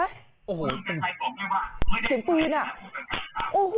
เสียงปืนอ่ะโอ้โห